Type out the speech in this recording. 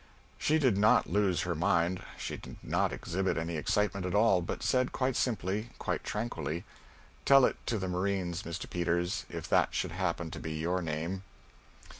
She did not lose her mind; she did not exhibit any excitement at all, but said quite simply, quite tranquilly, "Tell it to the marines, Mr. Peters if that should happen to be your name."